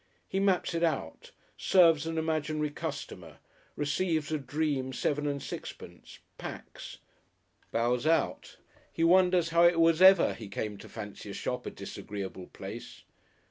He maps it out, serves an imaginary customer, receives a dream seven and six pence, packs, bows out. He wonders how it was he ever came to fancy a shop a disagreeable place.